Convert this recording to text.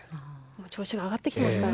調子が上がってきてますね。